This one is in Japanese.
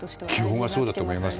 基本はそうだと思います。